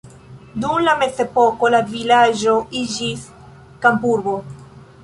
Dum la mezepoko la vilaĝo iĝis kampurbo.